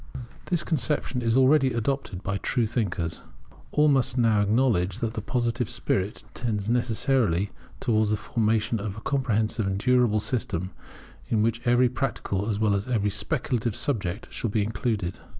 This conception is already adopted by all true thinkers. All must now acknowledge that the Positive spirit tends necessarily towards the formation of a comprehensive and durable system, in which every practical as well as speculative subject shall be included.